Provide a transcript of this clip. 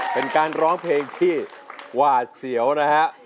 เป็นการร้องเพลงที่หวาดเสียวนะฮะ